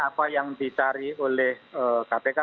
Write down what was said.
apa yang dicari oleh kpk